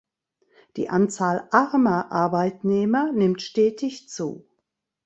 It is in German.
Die Anzahl armer Arbeitnehmer nimmt stetig zu.